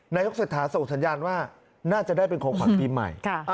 นายกเศรษฐาส่งสัญญาณว่าน่าจะได้เป็นของขวัญปีใหม่